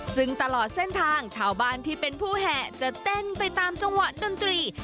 ซึ่งตลอดเส้นทางชาวบ้านที่เป็นผู้แห่จะเต้นไปตามจังหวะดนตรี